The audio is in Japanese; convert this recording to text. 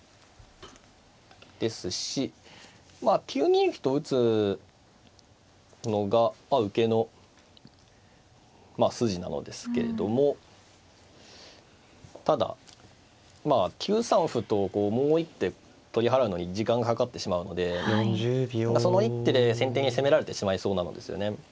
ですしまあ９二歩と打つのが受けのまあ筋なのですけれどもただまあ９三歩ともう一手取り払うのに時間がかかってしまうのでその一手で先手に攻められてしまいそうなのですよね。